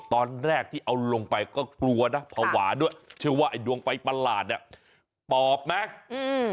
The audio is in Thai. ตอนแรกที่เอาลงไปก็กลัวนะภาวะด้วยเชื่อว่าไอ้ดวงไฟประหลาดเนี้ยปอบไหมอืม